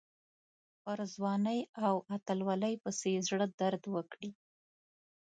پر ځوانۍ او اتلولۍ پسې یې زړه درد وکړي.